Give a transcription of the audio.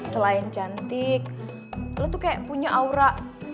selain cantik lo tuh kayak punya aura